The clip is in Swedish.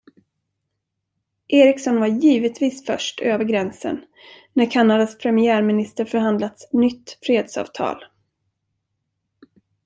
Ericsson var givetvis först över gränsen när Kanadas premiärminister förhandlat nytt fredsavtal.